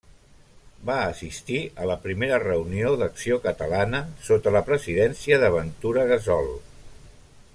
Va assistir a la primera reunió d'Acció Catalana, sota la presidència de Ventura Gassol.